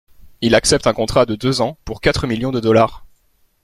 Il accepte un contrat de deux ans pour quatre millions de dollars.